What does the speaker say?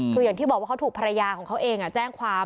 คืออย่างที่บอกว่าเขาถูกภรรยาของเขาเองแจ้งความ